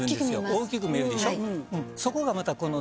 大きく見えるでしょ？